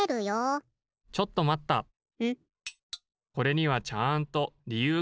・これにはちゃんとりゆうがあるんです。